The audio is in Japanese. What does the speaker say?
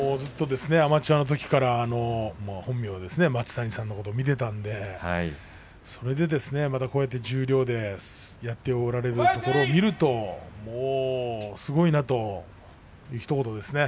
アマチュア時代から本名の松谷さんのことを見ていたのでそれでまた十両でやっておられるところを見るとすごいなとひと言ですね。